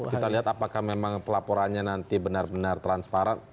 kita lihat apakah memang pelaporannya nanti benar benar transparan